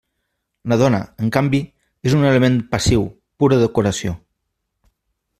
La dona, en canvi, és un element passiu, pura decoració.